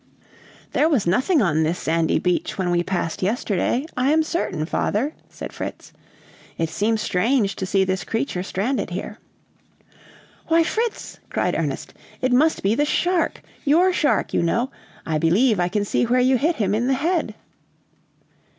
"There was nothing on this sandy beach when we passed yesterday, I am certain, father," said Fritz. "It seems strange to see this creature stranded here." "Why, Fritz!" cried Ernest, "it must be the shark! your shark, you know! I believe I can see where you hit him in the head."